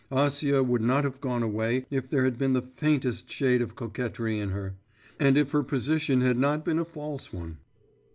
Acia would not have gone away if there had been the faintest shade of coquetry in her, and if her position had not been a false one.